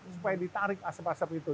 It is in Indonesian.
supaya ditarik asap asap itu